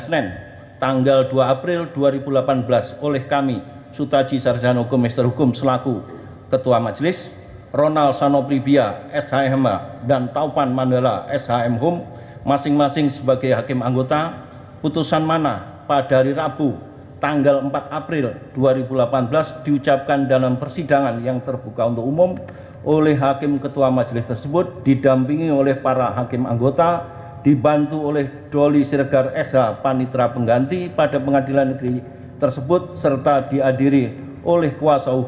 pertama penggugat akan menerjakan waktu yang cukup untuk menerjakan si anak anak tersebut yang telah menjadi ilustrasi